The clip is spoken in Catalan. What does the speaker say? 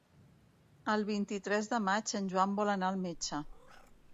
El vint-i-tres de maig en Joan vol anar al metge.